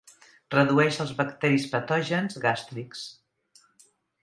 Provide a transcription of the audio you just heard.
Redueix els bacteris patògens gàstrics.